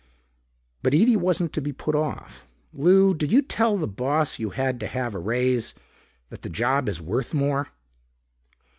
But Ede wasn't to be put off. "Lou, did you tell the boss you had to have a raise, that the job is worth more?"